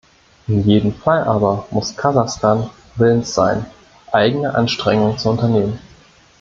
In jedem Fall aber muss Kasachstan willens sein, eigene Anstrengungen zu unternehmen.